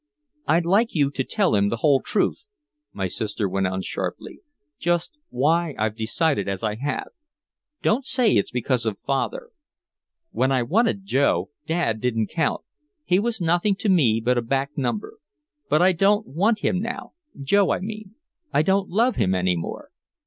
"I'd like you to tell him the whole truth," my sister went on sharply, "just why I've decided as I have. Don't say it's because of father. When I wanted Joe, Dad didn't count, he was nothing to me but a back number. But I don't want him now Joe, I mean I don't love him any more.